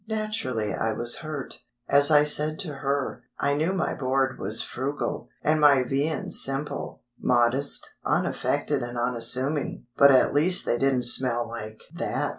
Naturally I was hurt. As I said to her, I knew my board was frugal, and my viands simple, modest, unaffected and unassuming, but at least they didn't smell like that!